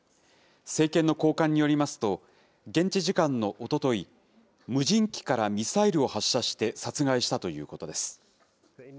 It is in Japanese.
政権の高官によりますと、現地時間のおととい、無人機からミサイルを発射して殺害したということです。